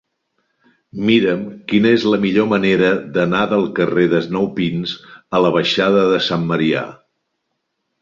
Mira'm quina és la millor manera d'anar del carrer de Nou Pins a la baixada de Sant Marià.